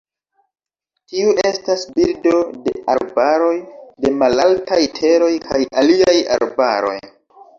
Tiu estas birdo de arbaroj de malaltaj teroj kaj aliaj arbaroj.